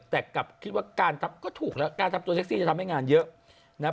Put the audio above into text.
แต่กลับคิดว่าการทำก็ถูกแล้วการทำตัวแท็กซี่จะทำให้งานเยอะนะ